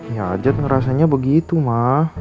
ya ajat ngerasanya begitu ma